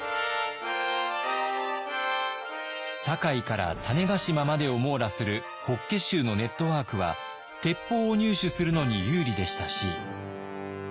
堺から種子島までを網羅する法華宗のネットワークは鉄砲を入手するのに有利でしたし。